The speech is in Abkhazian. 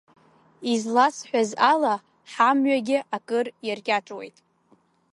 Изласҳәаз ала ҳамҩагьы акыр иаркьаҿуеит.